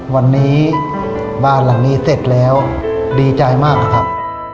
วันนี้บ้านหลังนี้เสร็จแล้วดีใจมากนะครับ